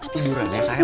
tiduran ya sayang